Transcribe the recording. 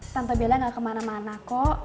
tante bella gak kemana mana kok